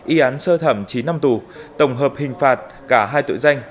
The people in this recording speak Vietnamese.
y án sơ thẩm chín năm tù tổng hợp hình phạt cả hai tội danh